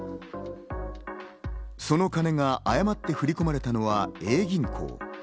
その金が誤って振り込まれたのはＡ銀行。